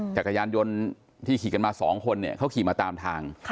จักรยานยนต์ที่ขี่กันมา๒คนเนี่ยเขาขี่มาตามทาง